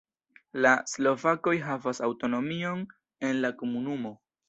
La slovakoj havas aŭtonomion en la komunumo.